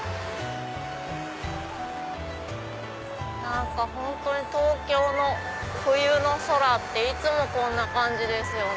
何か本当に東京の冬の空っていつもこんな感じですよね。